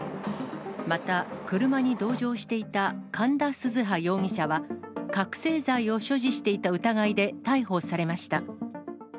また、車に同乗していた神田鈴葉容疑者は、覚醒剤を所持していた疑いで逮捕されました。